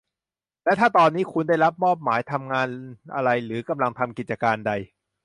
และถ้าตอนนี้คุณได้รับมอบหมายทำงานอะไรหรือกำลังทำกิจการใด